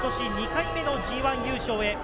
２回目のＧＩ優勝へ。